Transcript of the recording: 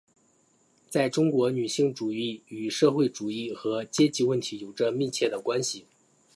在中国女性主义与社会主义和阶级问题有着密切的关系。